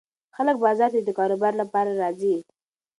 خلک بازار ته د کاروبار لپاره راځي.